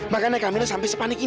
makanya kamela sampai sepanik ini